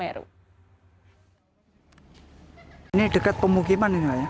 ini dekat pemukiman ini pak ya